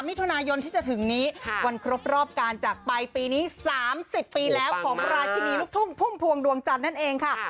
มิถุนายนที่จะถึงนี้วันครบรอบการจากไปปีนี้๓๐ปีแล้วของราชินีลูกทุ่งพุ่มพวงดวงจันทร์นั่นเองค่ะ